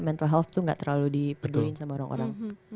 mental health tuh gak terlalu dipeduliin sama orang orang